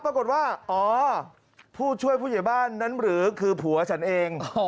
ปรากฏว่าอ๋อผู้ช่วยผู้ใหญ่บ้านนั้นหรือคือผัวฉันเอง